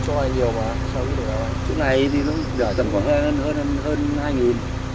chủ này thì nó giả tầm khoảng hơn hai nghìn